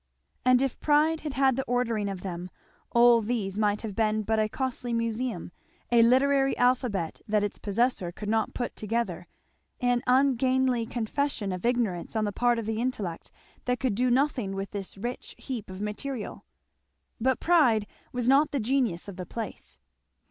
And if pride had had the ordering of them, all these might have been but a costly museum, a literary alphabet that its possessor could not put together, an ungainly confession of ignorance on the part of the intellect that could do nothing with this rich heap of material. But pride was not the genius of the place.